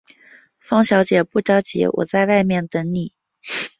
方小姐，不着急，我在外面等妳。